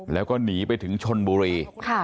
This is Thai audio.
แล้วก็หนีไปถึงชนบุรี